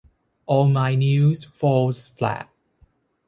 All my news falls flat.